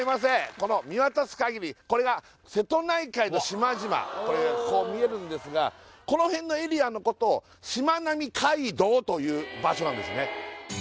この見渡すかぎりこれがこれがここ見えるんですがこのへんのエリアのことをしまなみ海道という場所なんですね